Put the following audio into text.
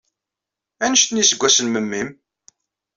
Anect n yiseggasen n memmi-m?